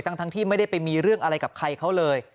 ทั้งที่ไม่ได้ไปมีเรื่องอะไรกับใครเขาเลย